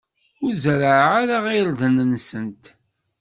Ur zerreɛ ara irden-nsent.